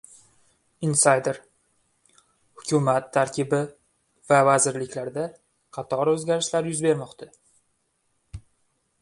Insayder: Hukumat tarkibi va vazirliklarda qator o‘zgarishlar yuz bermoqda